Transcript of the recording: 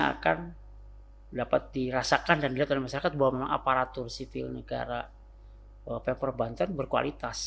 akan dapat dirasakan dan dilihat oleh masyarakat bahwa memang aparatur sipil negara pemprov banten berkualitas